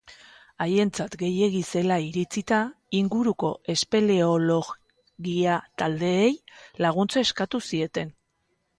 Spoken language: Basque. Haientzat gehiegi zela iritzita, inguruko espeleologia taldeei laguntza eskatu zieten.